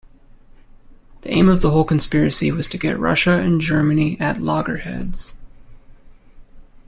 The aim of the whole conspiracy was to get Russia and Germany at loggerheads.